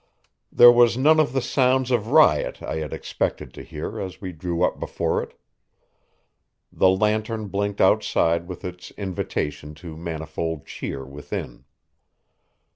There was none of the sounds of riot I had expected to hear as we drew up before it. The lantern blinked outside with its invitation to manifold cheer within.